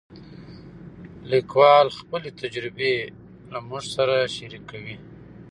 لیکوال خپلې تجربې له موږ سره شریکوي.